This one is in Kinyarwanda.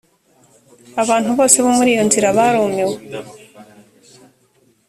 abantu bose bo muri iyo nzira barumiwe